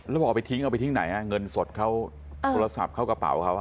แล้วบอกเอาไปทิ้งเอาไปทิ้งไหนเงินสดเขาโทรศัพท์เข้ากระเป๋าเขา